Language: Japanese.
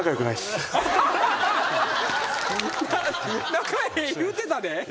仲ええ言うてたで？